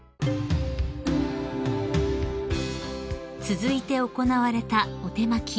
［続いて行われたお手播き］